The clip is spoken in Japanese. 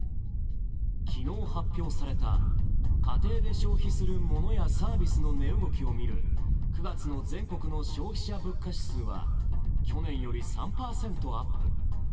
昨日発表された、家庭で消費する物やサービスの値動きを見る９月の全国の消費者物価指数は去年より３％アップ。